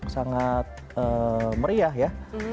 sangat meriah ya